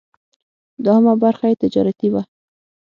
دوهمه برخه یې تجارتي وه.